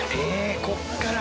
ここから？